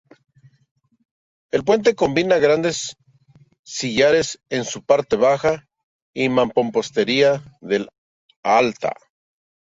El puente combina grandes sillares en su parte baja y mampostería en la alta.